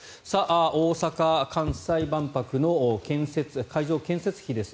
大阪・関西万博の会場建設費です。